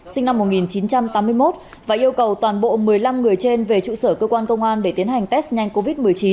sinh năm một nghìn chín trăm tám mươi một và yêu cầu toàn bộ một mươi năm người trên về trụ sở cơ quan công an để tiến hành test nhanh covid một mươi chín